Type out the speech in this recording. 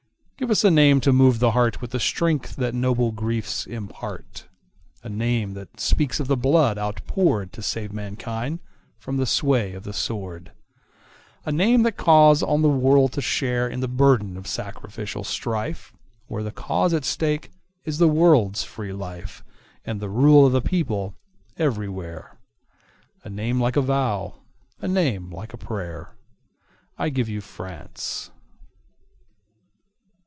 Give us a name to move the heartWith the strength that noble griefs impart,A name that speaks of the blood outpouredTo save mankind from the sway of the sword,—A name that calls on the world to shareIn the burden of sacrificial strifeWhere the cause at stake is the world's free lifeAnd the rule of the people everywhere,—A name like a vow, a name like a prayer.I give you France!